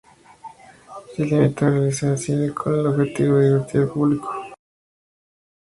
Se limitó a realizar cine con el objetivo de divertir al público.